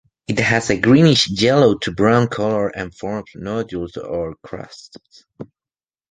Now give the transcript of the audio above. It has a greenish yellow to brown colour and forms nodules or crusts.